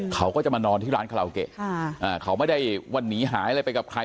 เขาก็จะมานอนที่ร้านคาราโอเกะเขาไม่ได้วันนี้หายอะไรไปกับใคร